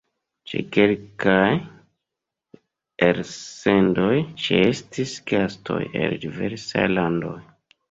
Ĉe kelkaj elsendoj ĉeestis gastoj el diversaj landoj.